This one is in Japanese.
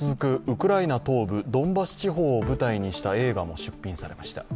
ウクライナ東部ドンバス地方を舞台にした映画も出品されました。